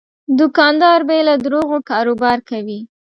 دوکاندار بې له دروغو کاروبار کوي.